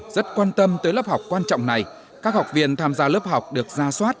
rất quan tâm tới lớp học quan trọng này các học viên tham gia lớp học được ra soát